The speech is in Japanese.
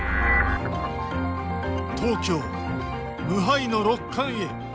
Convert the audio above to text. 東京、無敗の６冠へ。